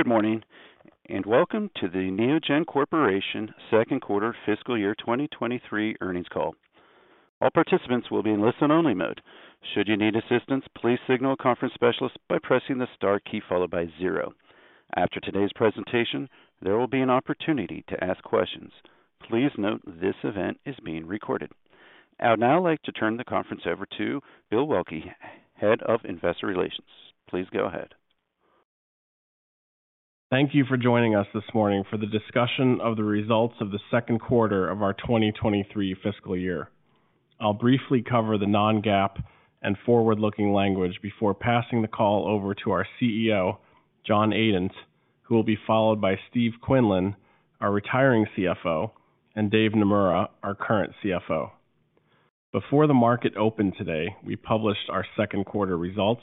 Good morning, welcome to the Neogen Corporation Second Quarter Fiscal Year 2023 Earnings Call. All participants will be in listen-only mode. Should you need assistance, please signal a conference specialist by pressing the star key followed by zero. After today's presentation, there will be an opportunity to ask questions. Please note this event is being recorded. I'd now like to turn the conference over to Bill Waelke, Head of Investor Relations. Please go ahead. Thank you for joining us this morning for the discussion of the results of the second quarter of our 2023 fiscal year. I'll briefly cover the non-GAAP and forward-looking language before passing the call over to our CEO; John Adent, who will be followed by Steve Quinlan, our retiring CFO, and Dave Naemura, our current CFO. Before the market opened today, we published our second quarter results,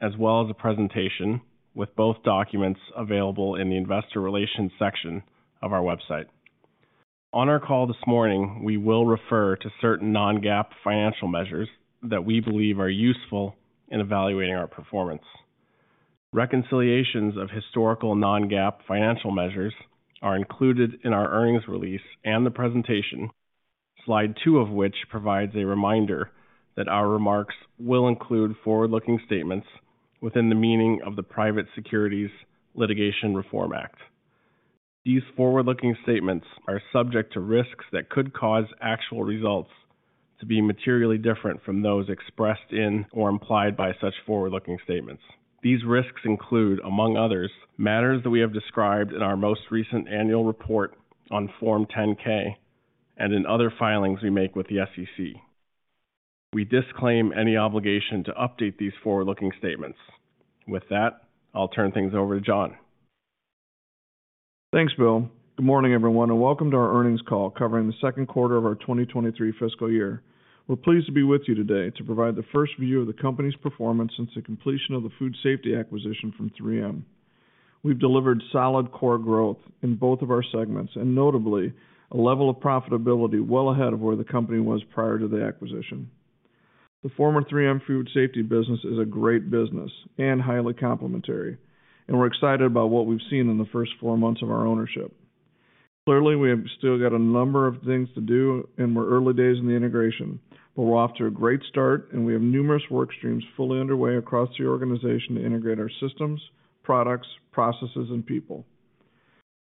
as well as a presentation with both documents available in the investor relations section of our website. On our call this morning, we will refer to certain non-GAAP financial measures that we believe are useful in evaluating our performance. Reconciliations of historical non-GAAP financial measures are included in our earnings release and the presentation, slide two of which provides a reminder that our remarks will include forward-looking statements within the meaning of the Private Securities Litigation Reform Act. These forward-looking statements are subject to risks that could cause actual results to be materially different from those expressed in or implied by such forward-looking statements. These risks include, among others, matters that we have described in our most recent annual report on Form 10-K and in other filings we make with the SEC. We disclaim any obligation to update these forward-looking statements. With that, I'll turn things over to John. Thanks Bill. Good morning everyone and welcome to our earnings call covering the second quarterof our 2023 fiscal year. We're pleased to be with you today to provide the first view of the company's performance since the completion of the Food Safety acquisition from 3M. We've delivered solid core growth in both of our segments and notably a level of profitability well ahead of where the company was prior to the acquisition. The former 3M Food Safety business is a great business and highly complementary, and we're excited about what we've seen in the first four months of our ownership. Clearly, we have still got a number of things to do and we're early days in the integration but we're off to a great start, and we have numerous work streams fully underway across the organization to integrate our systems, products, processes, and people.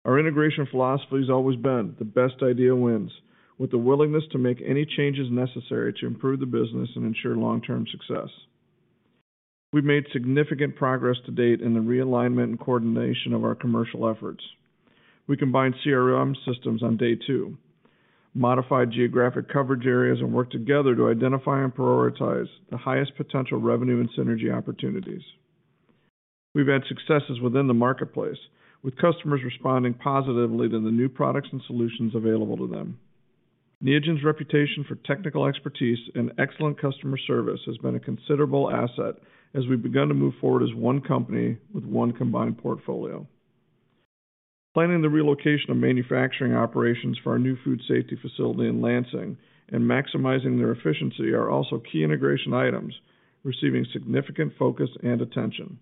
Our integration philosophy has always been the best idea wins, with the willingness to make any changes necessary to improve the business and ensure long-term success. We've made significant progress to date in the realignment and coordination of our commercial efforts. We combined CRM systems on day two, modified geographic coverage areas, and worked together to identify and prioritize the highest potential revenue and synergy opportunities. We've had successes within the marketplace, with customers responding positively to the new products and solutions available to them. Neogen's reputation for technical expertise and excellent customer service has been a considerable asset as we've begun to move forward as one company with one combined portfolio. Planning the relocation of manufacturing operations for our new Food Safety facility in Lansing and maximizing their efficiency are also key integration items receiving significant focus and attention.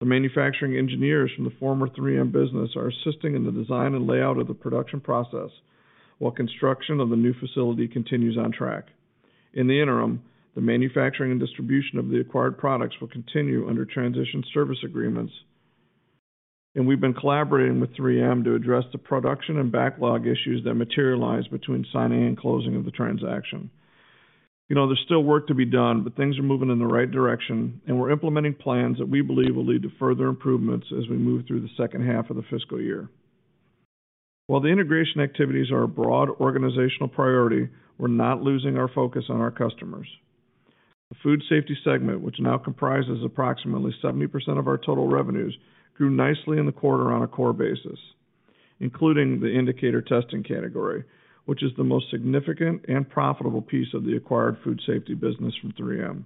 The manufacturing engineers from the former 3M business are assisting in the design and layout of the production process while construction of the new facility continues on track. In the interim, the manufacturing and distribution of the acquired products will continue under transition service agreements. We've been collaborating with 3M to address the production and backlog issues that materialized between signing and closing of the transaction. You know, there's still work to be done, but things are moving in the right direction, and we're implementing plans that we believe will lead to further improvements as we move through the second half of the fiscal year. While the integration activities are a broad organizational priority, we're not losing our focus on our customers. The Food Safety segment, which now comprises approximately 70% of our total revenues, grew nicely in the quarter on a core basis, including the indicator testing category, which is the most significant and profitable piece of the acquired Food Safety business from 3M.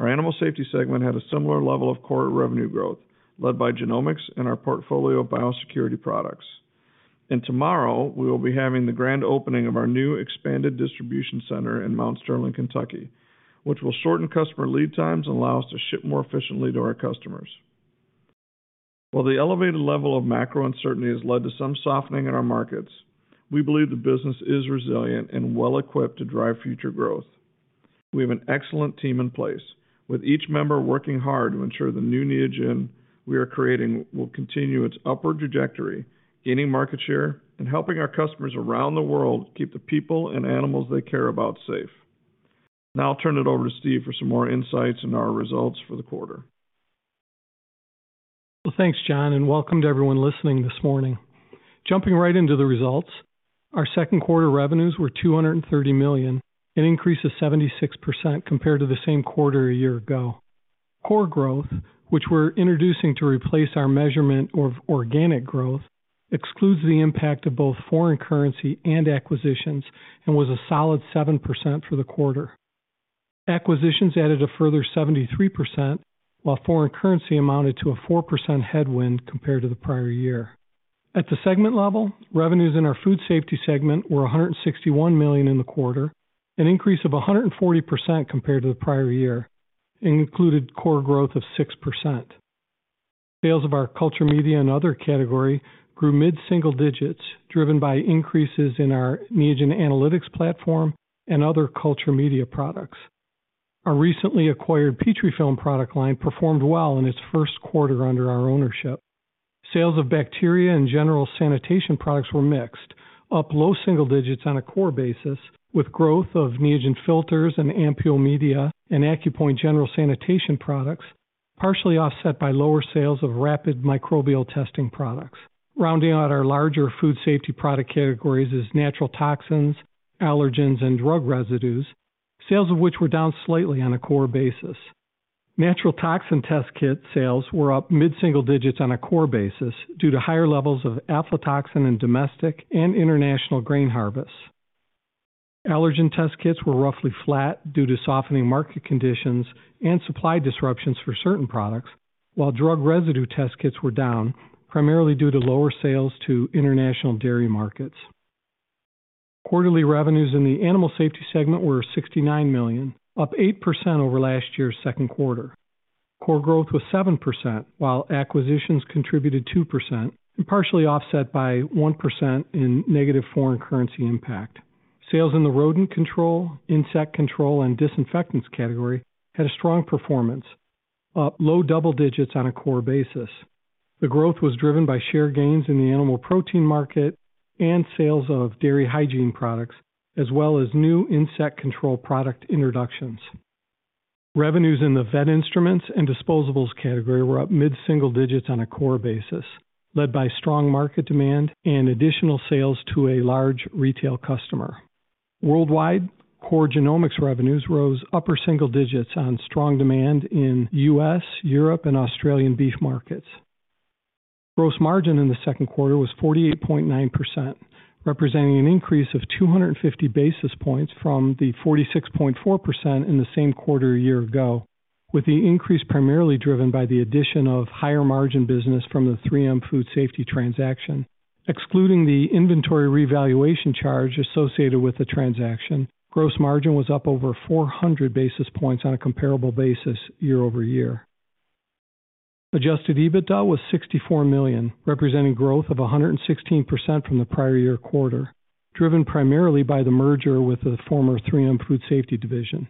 Our Animal Safety segment had a similar level of core revenue growth, led by genomics and our portfolio of biosecurity products. Tomorrow, we will be having the grand opening of our new expanded distribution center in Mount Sterling, Kentucky, which will shorten customer lead times and allow us to ship more efficiently to our customers. While the elevated level of macro uncertainty has led to some softening in our markets, we believe the business is resilient and well equipped to drive future growth. We have an excellent team in place, with each member working hard to ensure the new Neogen we are creating will continue its upward trajectory, gaining market share, and helping our customers around the world keep the people and animals they care about safe. Now I'll turn it over to Steve for some more insights on our results for the quarter. Well, thanks John and welcome to everyone listening this morning. Jumping right into the results, our second quarter revenues were $230 million, an increase of 76% compared to the same quarter a year ago. Core growth, which we're introducing to replace our measurement of organic growth, excludes the impact of both foreign currency and acquisitions and was a solid 7% for the quarter. Acquisitions added a further 73%, while foreign currency amounted to a 4% headwind compared to the prior year. At the segment level, revenues in our Food Safety segment were $161 million in the quarter, an increase of 140% compared to the prior year, and included core growth of 6%. Sales of our Culture Media and other category grew mid-single digits, driven by increases in our Neogen Analytics platform and other Culture Media products. Our recently acquired Petrifilm product line performed well in its first quarter under our ownership. Sales of bacteria and general sanitation products were mixed, up low single digits on a core basis, with growth of Neogen Filters and ampouled media and AccuPoint general sanitation products, partially offset by lower sales of rapid microbial testing products. Rounding out our larger Food Safety product categories is natural toxins, allergens, and drug residues, sales of which were down slightly on a core basis. Natural toxin test kit sales were up mid-single digits on a core basis due to higher levels of aflatoxin in domestic and international grain harvests. Allergen test kits were roughly flat due to softening market conditions and supply disruptions for certain products. Drug residue test kits were down, primarily due to lower sales to international dairy markets. Quarterly revenues in the animal safety segment were $69 million, up 8% over last year's second quarter. Core growth was 7%, acquisitions contributed 2% and partially offset by 1% in negative foreign currency impact. Sales in the rodent control, insect control, and disinfectants category had a strong performance, up low double digits on a core basis. The growth was driven by share gains in the animal protein market and sales of dairy hygiene products, as well as new insect control product introductions. Revenues in the vet instruments and disposables category were up mid-single digits on a core basis, led by strong market demand and additional sales to a large retail customer. Worldwide, core genomics revenues rose upper single digits on strong demand in U.S., Europe, and Australian beef markets. Gross margin in the second quarter was 48.9%, representing an increase of 250 basis points from the 46.4% in the same quarter a year ago, with the increase primarily driven by the addition of higher margin business from the 3M Food Safety transaction. Excluding the inventory revaluation charge associated with the transaction, gross margin was up over 400 basis points on a comparable basis year-over-year. Adjusted EBITDA was $64 million, representing growth of 116% from the prior year quarter, driven primarily by the merger with the former 3M Food Safety Division.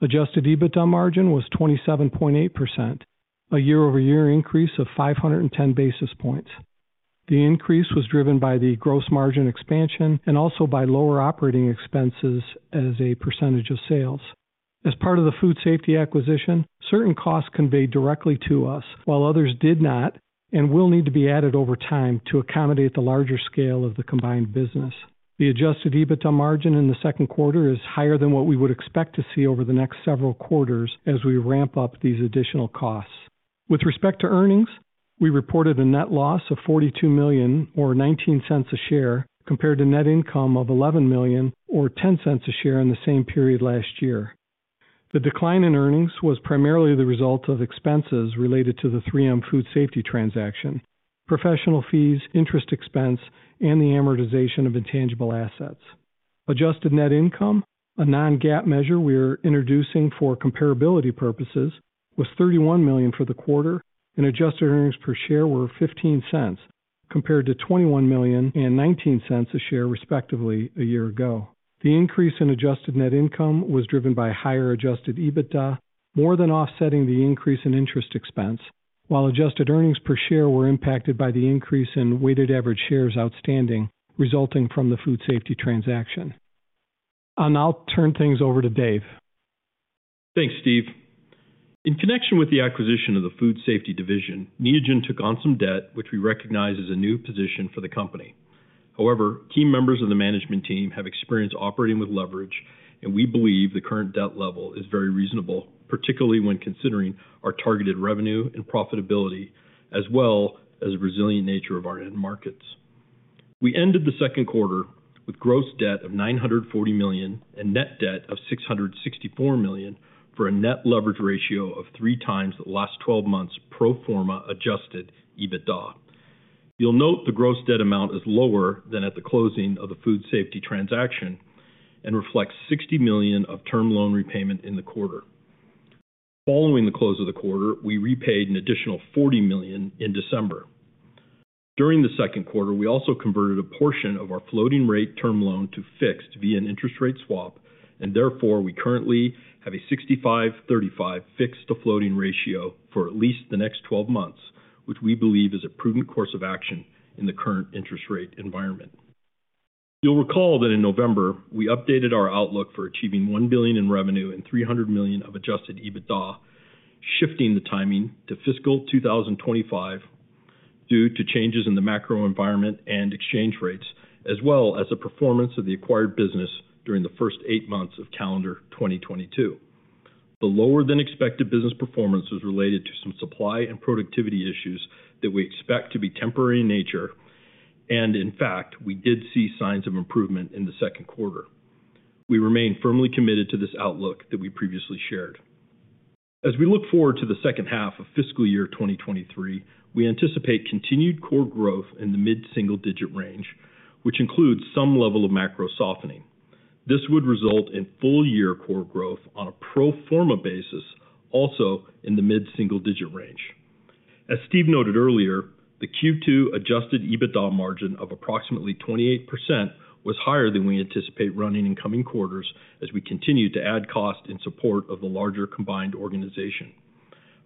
Adjusted EBITDA margin was 27.8%, a year-over-year increase of 510 basis points. The increase was driven by the gross margin expansion and also by lower operating expenses as a percentage of sales. As part of the Food Safety acquisition, certain costs conveyed directly to us, while others did not and will need to be added over time to accommodate the larger scale of the combined business. The Adjusted EBITDA margin in the second quarter is higher than what we would expect to see over the next several quarters as we ramp up these additional costs. With respect to earnings, we reported a net loss of $42 million or $0.19 a share, compared to net income of $11 million or $0.10 a share in the same period last year. The decline in earnings was primarily the result of expenses related to the 3M Food Safety transaction, professional fees, interest expense, and the amortization of intangible assets. Adjusted net income, a non-GAAP measure we're introducing for comparability purposes, was $31 million for the quarter, and adjusted earnings per share were $0.15 compared to $21 million and $0.19 a share, respectively, a year ago. The increase in Adjusted net income was driven by higher Adjusted EBITDA, more than offsetting the increase in interest expense, while adjusted earnings per share were impacted by the increase in weighted average shares outstanding resulting from the Food Safety transaction. I'll now turn things over to Dave. Thanks Steve. In connection with the acquisition of the Food Safety business, Neogen took on some debt, which we recognize is a new position for the company. However, key members of the management team have experience operating with leverage, and we believe the current debt level is very reasonable, particularly when considering our targeted revenue and profitability as well as the resilient nature of our end markets. We ended the second quarter with gross debt of $940 million and net debt of $664 million, for a net leverage ratio of 3x the last 12 months pro forma Adjusted EBITDA. You'll note the gross debt amount is lower than at the closing of the Food Safety transaction and reflects $60 million of term loan repayment in the quarter. Following the close of the quarter, we repaid an additional $40 million in December. During the second quarter, we also converted a portion of our floating rate term loan to fixed via an interest rate swap, therefore, we currently have a 65/35 fixed to floating ratio for at least the next 12 months, which we believe is a prudent course of action in the current interest rate environment. You'll recall that in November, we updated our outlook for achieving $1 billion in revenue and $300 million of Adjusted EBITDA, shifting the timing to fiscal 2025 due to changes in the macro environment and exchange rates, as well as the performance of the acquired business during the first eight months of calendar 2022. The lower than expected business performance was related to some supply and productivity issues that we expect to be temporary in nature. In fact, we did see signs of improvement in the second quarter. We remain firmly committed to this outlook that we previously shared. As we look forward to the second half of fiscal year 2023, we anticipate continued core growth in the mid-single digit range, which includes some level of macro softening. This would result in full-year core growth on a pro forma basis, also in the mid-single digit range. As Steve noted earlier, the Q2 adjusted EBITDA margin of approximately 28% was higher than we anticipate running in coming quarters as we continue to add cost in support of the larger combined organization.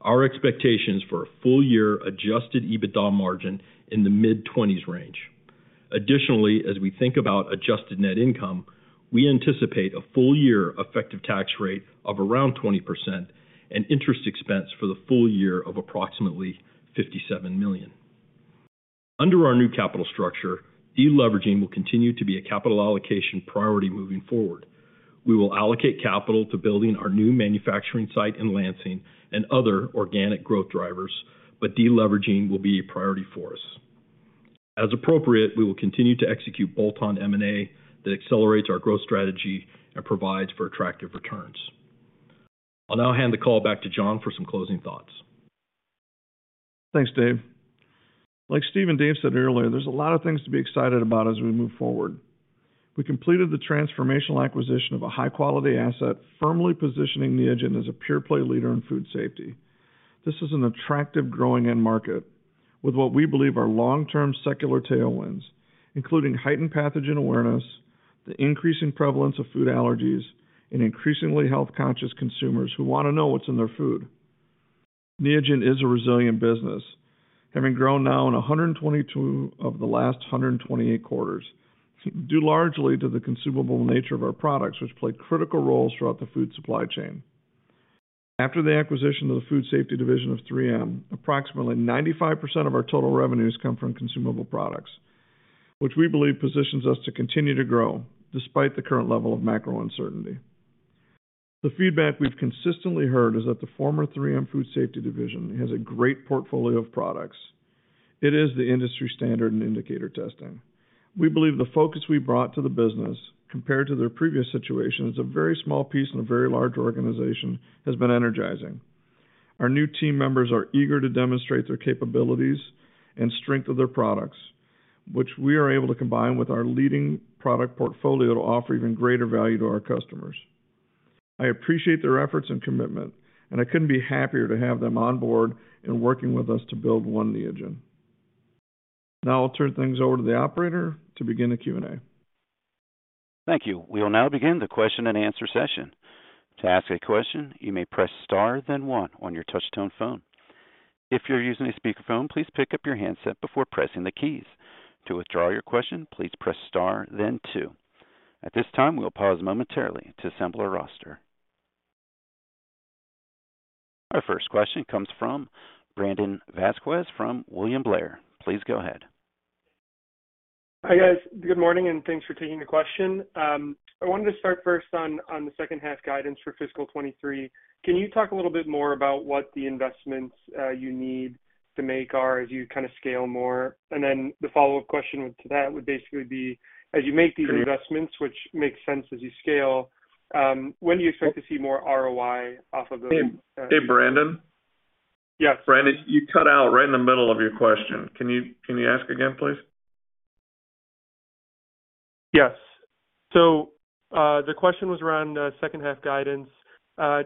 Our expectations for a full year adjusted EBITDA margin in the mid 20s range. As we think about adjusted net income, we anticipate a full year effective tax rate of around 20% and interest expense for the full year of approximately $57 million. Under our new capital structure, deleveraging will continue to be a capital allocation priority moving forward. We will allocate capital to building our new manufacturing site in Lansing and other organic growth drivers, but deleveraging will be a priority for us. As appropriate, we will continue to execute bolt-on M&A that accelerates our growth strategy and provides for attractive returns. I'll now hand the call back to John for some closing thoughts. Thanks Dave. Like Steve and Dave said earlier, there's a lot of things to be excited about as we move forward. We completed the transformational acquisition of a high-quality asset, firmly positioning Neogen as a pure play leader in Food Safety. This is an attractive growing end market with what we believe are long-term secular tailwinds, including heightened pathogen awareness, the increasing prevalence of food allergies, and increasingly health-conscious consumers who wanna know what's in their food. Neogen is a resilient business, having grown now in 122 of the last 128 quarters, due largely to the consumable nature of our products, which play critical roles throughout the food supply chain. After the acquisition of the Food Safety division of 3M, approximately 95% of our total revenues come from consumable products, which we believe positions us to continue to grow despite the current level of macro uncertainty. The feedback we've consistently heard is that the former 3M Food Safety business has a great portfolio of products. It is the industry standard in indicator testing. We believe the focus we brought to the business compared to their previous situation is a very small piece in a very large organization has been energizing. Our new team members are eager to demonstrate their capabilities and strength of their products, which we are able to combine with our leading product portfolio to offer even greater value to our customers. I appreciate their efforts and commitment, and I couldn't be happier to have them on board and working with us to build One Neogen. I'll turn things over to the operator to begin the Q&A. Thank you. We will now begin the question and answer session. To ask a question, you may press star then one on your touch tone phone. If you're using a speakerphone, please pick up your handset before pressing the keys. To withdraw your question, please press star then two. At this time, we'll pause momentarily to assemble our roster. Our first question comes from Brandon Vazquez from William Blair. Please go ahead. Hi guys, good morning and thanks for taking the question. I wanted to start first on the second half guidance for fiscal 2023. Can you talk a little bit more about what the investments you need to make are as you kinda scale more? The follow-up question to that would basically be, as you make these investments, which makes sense as you scale, when do you expect to see more ROI off of those— Hey Brandon? Yes. Brandon you cut out right in the middle of your question. Can you ask again, please? The question was around second half guidance,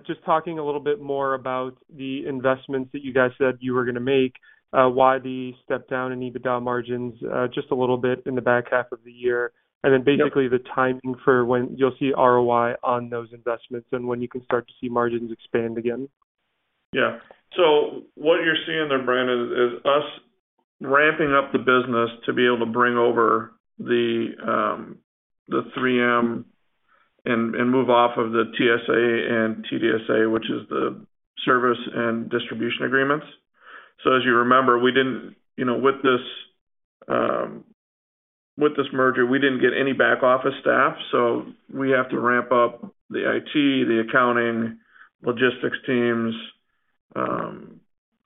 just talking a little bit more about the investments that you guys said you were gonna make, why the step down in EBITDA margins, just a little bit in the back half of the year? Yep. Basically the timing for when you'll see ROI on those investments and when you can start to see margins expand again. What you're seeing there Brandon, is us ramping up the business to be able to bring over the 3M and move off of the TSA and TDSA, which is the service and distribution agreements. As you remember, we didn't, you know, with this merger, we didn't get any back office staff, so we have to ramp up the IT, the accounting, logistics teams,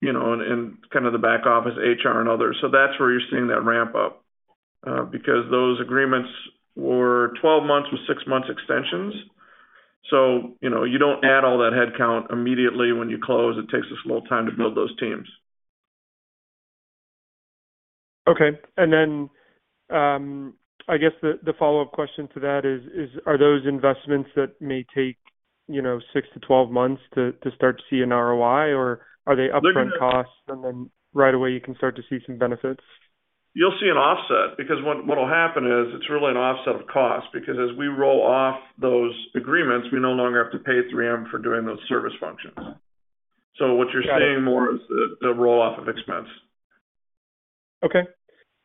you know, and kind of the back office, HR and others. That's where you're seeing that ramp up. Because those agreements were 12 months with six months extensions. You know, you don't add all that headcount immediately when you close. It takes a slow time to build those teams. Okay. I guess the follow-up question to that is are those investments that may take, you know, six-12 months to start to see an ROI, or are they upfront costs and then right away you can start to see some benefits? You'll see an offset because what'll happen is it's really an offset of cost because as we roll off those agreements, we no longer have to pay 3M for doing those service functions. Got it. What you're seeing more is the roll-off of expense. Okay.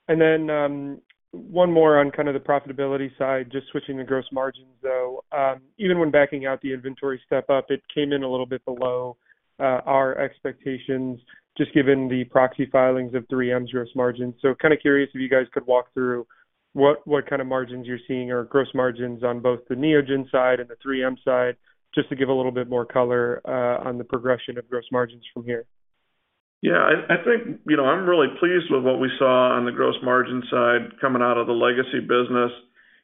Then, one more on kind of the profitability side, just switching to gross margins, though. Even when backing out the inventory step up, it came in a little bit below our expectations, just given the proxy filings of 3M's gross margin. Kind of curious if you guys could walk through what kind of margins you're seeing or gross margins on both the Neogen side and the 3M side, just to give a little bit more color on the progression of gross margins from here? I think, you know, I'm really pleased with what we saw on the gross margin side coming out of the legacy business.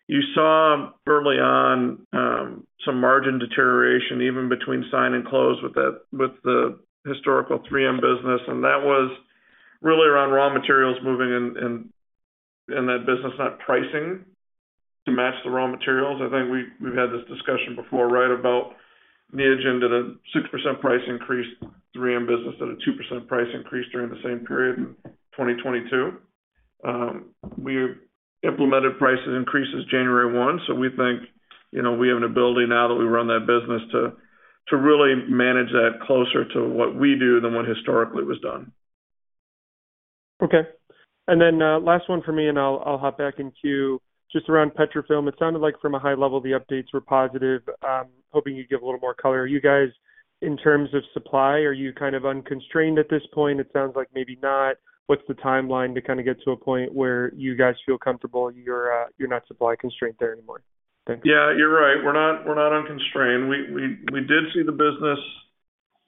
You saw early on some margin deterioration even between sign and close with the historical 3M business, and that was really around raw materials moving and that business not pricing to match the raw materials. I think we've had this discussion before, right? About Neogen did a 6% price increase, 3M business at a 2% price increase during the same period in 2022. We implemented price increases January 1, we think, you know, we have an ability now that we run that business to really manage that closer to what we do than what historically was done. Okay. Last one for me and I'll hop back in queue. Just around Petrifilm, it sounded like from a high level, the updates were positive. Hoping you give a little more color. Are you guys, in terms of supply, are you kind of unconstrained at this point? It sounds like maybe not. What's the timeline to kind of get to a point where you guys feel comfortable you're not supply constrained there anymore? Thanks. Yeah, you're right. We're not unconstrained. We did see the business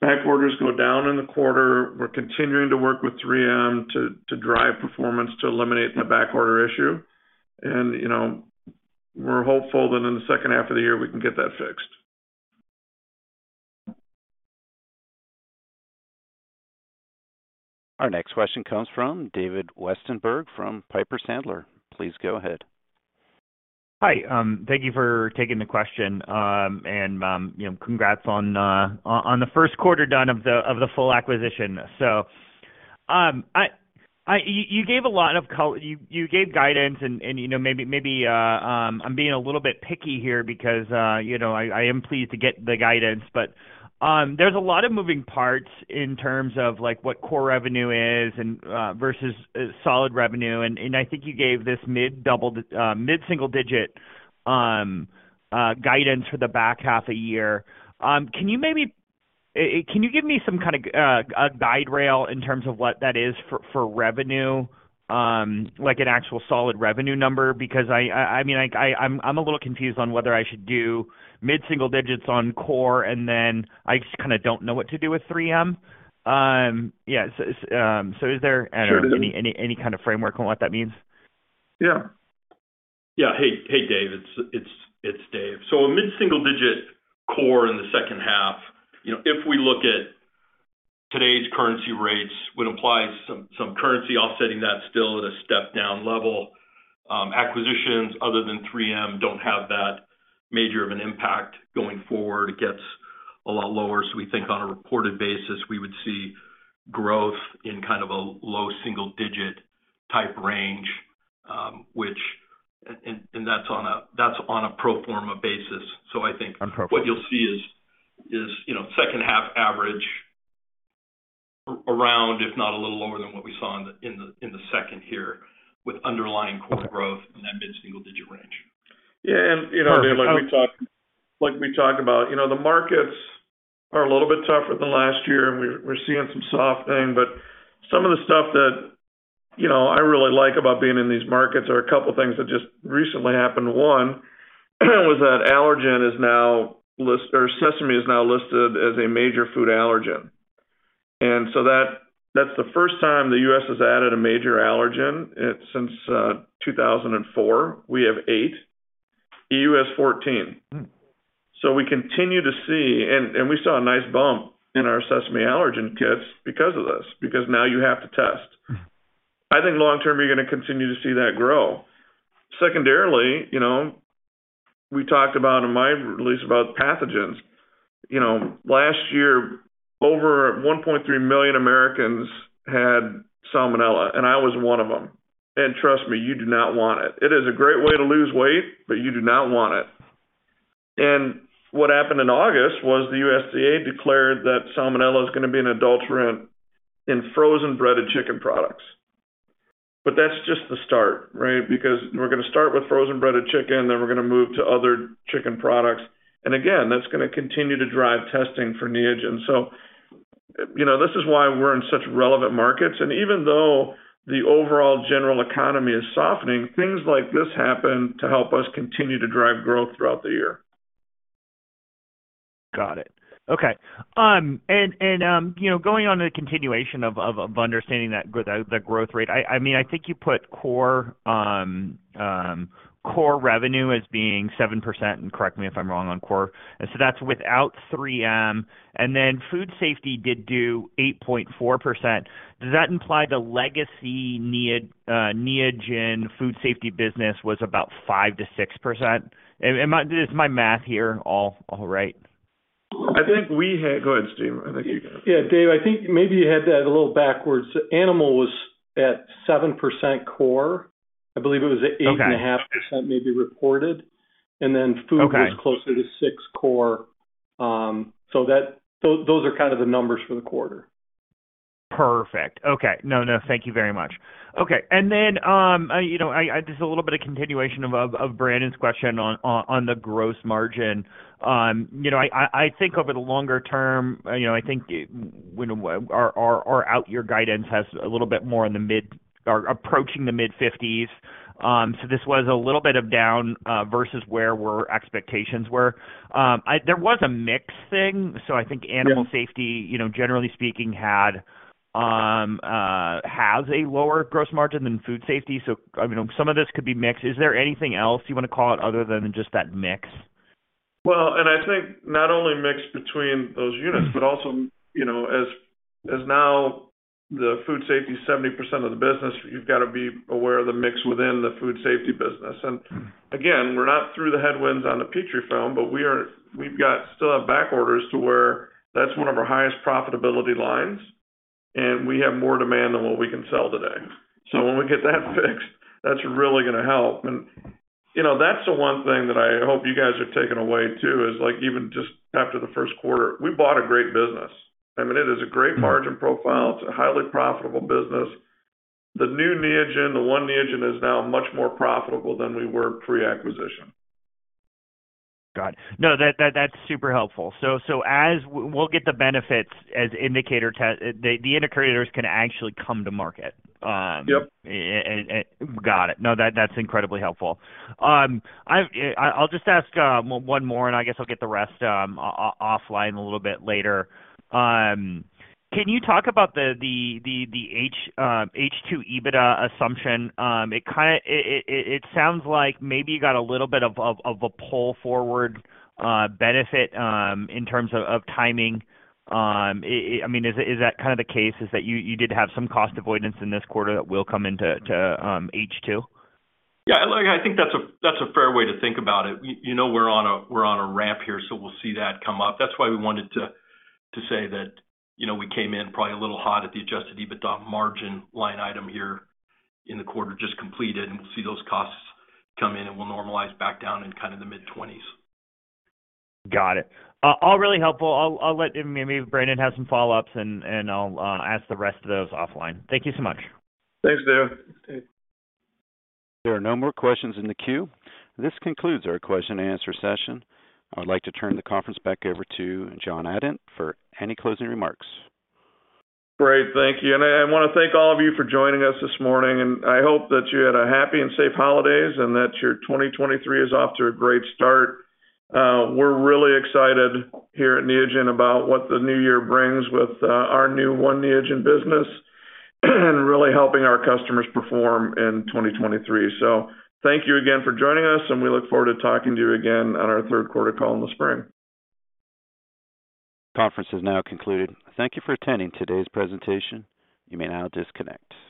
back orders go down in the quarter. We're continuing to work with 3M to drive performance to eliminate the back order issue. You know, we're hopeful that in the second half of the year we can get that fixed. Our next question comes from David Westenberg from Piper Sandler. Please go ahead. Hi, thank you for taking the question. You know, congrats on the first quarter done of the full acquisition. You gave guidance and, you know, maybe I'm being a little bit picky here because, you know, I am pleased to get the guidance. There's a lot of moving parts in terms of like what core revenue is and versus solid revenue. I think you gave this mid-double mid-single digit guidance for the back half a year. Can you maybe can you give me some kind of a guide rail in terms of what that is for revenue? Like an actual solid revenue number? I mean, I'm a little confused on whether I should do mid-single digits on core, and then I just kind of don't know what to do with 3M. Is there any. Sure. Any kind of framework on what that means? Yeah. Yeah. Hey Dave. It's Dave. A mid-single digit core in the second half. You know, if we look at today's currency rates, would apply some currency offsetting that still at a step down level. Acquisitions other than 3M don't have that major of an impact going forward. It gets a lot lower. We think on a reported basis, we would see growth in kind of a low single digit type range that's on a pro forma basis. I think. On pro forma. What you'll see is, you know, second half average around, if not a little lower than what we saw in the second here with underlying core growth in that mid-single digit range. Yeah. You know, Dave, like we talked about, you know, the markets are a little bit tougher than last year, and we're seeing some softening. Some of the stuff that, you know, I really like about being in these markets are a couple things that just recently happened. One, or sesame is now listed as a major food allergen. That's the first time the U.S. has added a major allergen since 2004. We have eight, EU has 14. We continue to see. We saw a nice bump in our sesame allergen kits because of this, because now you have to test. I think long term, you're gonna continue to see that grow. Secondarily, you know, we talked about, in my release, about pathogens. You know, last year, over 1.3 million Americans had Salmonella, and I was one of them. Trust me, you do not want it. It is a great way to lose weight, but you do not want it. What happened in August was the USDA declared that Salmonella is gonna be an adulterant in frozen breaded chicken products. That's just the start, right? Because we're gonna start with frozen breaded chicken, then we're gonna move to other chicken products. Again, that's gonna continue to drive testing for Neogen. You know, this is why we're in such relevant markets. Even though the overall general economy is softening, things like this happen to help us continue to drive growth throughout the year. Got it. Okay, you know, going on the continuation of understanding that growth, the growth rate, I mean, I think you put core core revenue as being 7%, and correct me if I'm wrong on core that's without 3M. Food safety did do 8.4%. Does that imply the legacy Neogen food safety business was about 5%-6%? Is my math here all right? Go ahead, Steve. I think you got it. Yeah Dave, I think maybe you had that a little backwards. Animal was at 7% core. I believe it was at 8.5%. Okay. Maybe reported. Okay. Was closer to 6 crore. Those are kind of the numbers for the quarter. Perfect, okay. No, no, thank you very much. Okay. I, you know, just a little bit of continuation of Brandon's question on the gross margin. You know, I think over the longer term, you know, I think our out year guidance has a little bit more in the mid or approaching the mid-50s. So this was a little bit of down versus where expectations were. There was a mix thing so I think animal safety— Yeah. You know, generally speaking, has a lower gross margin than Food Safety. I mean, some of this could be mix. Is there anything else you wanna call out other than just that mix? I think not only mix between those units, also, you know, as now the Food Safety is 70% of the business, you've got to be aware of the mix within the Food Safety business. Again, we're not through the headwinds on the Petrifilm, we've got still have back orders to where that's one of our highest profitability lines, we have more demand than what we can sell today. When we get that fixed, that's really gonna help. You know, that's the one thing that I hope you guys are taking away too, is like, even just after the Q1, we bought a great business. I mean, it is a great margin profile. It's a highly profitable business. The new Neogen, the One Neogen is now much more profitable than we were pre-acquisition. Got it. No, that's super helpful as we'll get the benefits the indicators can actually come to market. Yep. Got it. No, that's incredibly helpful. I'll just ask one more and I guess I'll get the rest offline a little bit later. Can you talk about the H2 EBITDA assumption? It sounds like maybe you got a little bit of a pull forward benefit in terms of timing. I mean, is that kind of the case is that you did have some cost avoidance in this quarter that will come into H2? Yeah look, I think that's a fair way to think about it. You know, we're on a ramp here, so we'll see that come up. That's why we wanted to say that, you know, we came in probably a little hot at the Adjusted EBITDA margin line item here in the quarter just completed, and we'll see those costs come in and we'll normalize back down in kind of the mid-20s. Got it. All really helpful maybe Brandon has some follow-ups and I'll ask the rest of those offline. Thank you so much. Thanks Dave. There are no more questions in the queue. This concludes our question and answer session. I would like to turn the conference back over to John Adent for any closing remarks. Great, thank you. I want to thank all of you for joining us this morning, and I hope that you had a happy and safe holidays and that your 2023 is off to a great start. We're really excited here at Neogen about what the new year brings with our new One Neogen business and really helping our customers perform in 2023. Thank you again for joining us, and we look forward to talking to you again on our third quarter call in the spring. Conference is now concluded. Thank you for attending today's presentation. You may now disconnect.